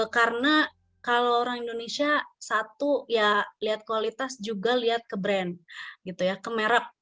karena kalau orang indonesia satu ya lihat kualitas juga lihat ke brand gitu ya ke merek